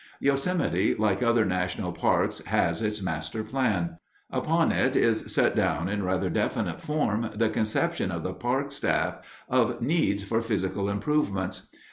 Yosemite, like other national parks, has its master plan. Upon it is set down in rather definite form the conception of the park staff of needs for physical improvements.